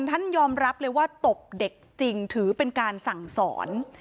ท่านยอมรับเลยว่าตบเด็กจริงถือเป็นการสั่งสอน